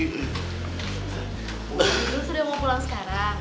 dulu sudah mau pulang sekarang